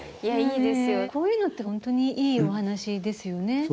こういうのって本当にいい、お話ですよね。